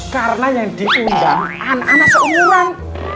karena yang diundang anak anak seumuran